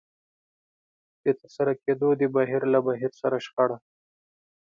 د ترسره کېدو د بهير له بهير سره شخړه.